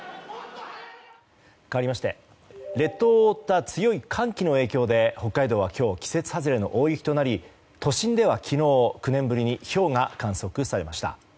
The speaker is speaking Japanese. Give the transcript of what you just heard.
かわりまして列島を覆った強い寒気の影響で北海道は今日季節外れの大雪となり都心では昨日、９年ぶりにひょうが観測されました。